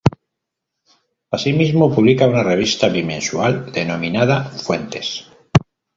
Asimismo, publica una revista bimensual denominada "Fuentes".